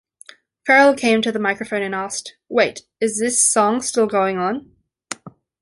Ferrell came to the microphone and asked, Wait, is this song still going on?